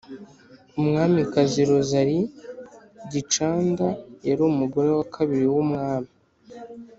Umwamikazi Rosalie Gicanda yari umugore wa kabiri w’umwami.